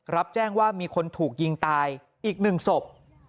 รับแจ้งว่ามีคนถูกยิงตายอีก๑ศพ